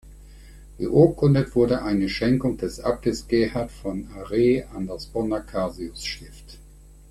Beurkundet wurde eine Schenkung des Abtes Gerhard von Are an das Bonner Cassius-Stift.